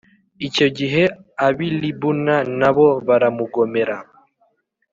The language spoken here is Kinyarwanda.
Icyo gihe ab’ i Libuna na bo baramugomera